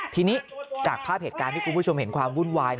ทีนี้จากภาพเหตุการณ์ที่คุณผู้ชมเห็นความวุ่นวาย